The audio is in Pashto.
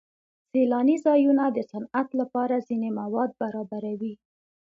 سیلاني ځایونه د صنعت لپاره ځینې مواد برابروي.